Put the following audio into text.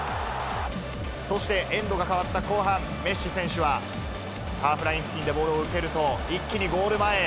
そしてエンドが変わった後半、メッシ選手はハーフライン付近でボールを受けると、一気にゴール前へ。